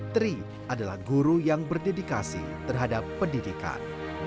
tri adalah guru yang berdedikasi terhadap pendidikan